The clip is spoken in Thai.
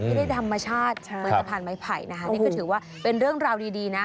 ไม่ได้ธรรมชาติเหมือนสะพานไม้ไผ่นะคะนี่ก็ถือว่าเป็นเรื่องราวดีนะ